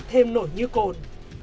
thêm nổi như cồn